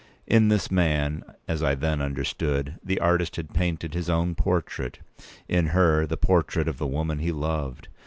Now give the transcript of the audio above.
In this man, as I then understood, the artist had painted his own portrait; in her, the portrait of the woman he loved.